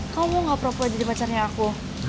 kau mau gak pura pura jadi pacarnya aku